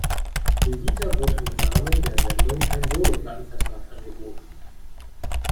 Levita wurde im Rahmen der Sendung ein Solo-Plattenvertrag angeboten.